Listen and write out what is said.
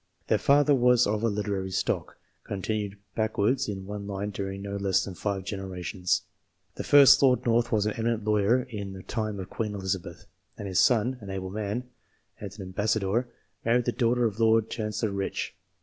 Their father was of a literary stock, con tinued backwards in one line during no less than five generations. The first Lord North was an eminent lawyer in the time of Queen Elizabeth, and his son an able man and an ambassador married the daughter of Lord Chan cellor Rich.